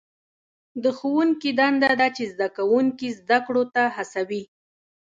د ښوونکي دنده ده چې زده کوونکي زده کړو ته هڅوي.